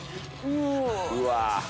うわ！